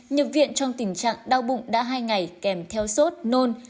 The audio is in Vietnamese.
nhập viện trong tình trạng đau bụng đã hai ngày kèm theo sốt nôn